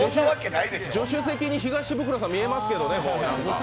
助手席に東ブクロさん見えますけれどもね。